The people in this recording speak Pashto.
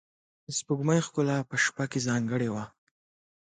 د سپوږمۍ ښکلا په شپه کې ځانګړې وه.